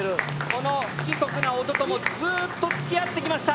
この不規則な音ともずっとつきあってきました。